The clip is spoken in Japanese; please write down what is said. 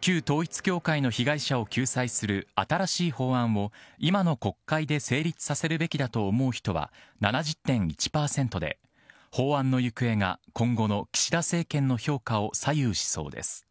旧統一教会の被害者を救済する新しい法案を今の国会で成立させるべきだと思う人は７０．１％で、法案の行方が今後の岸田政権の評価を左右しそうです。